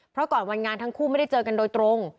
เพราะก่อนวันงานทั้งคู่ไม่ได้เจอกันโดยตรง